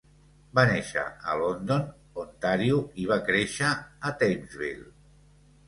Va néixer a London, Ontario, i va créixer a Thamesville.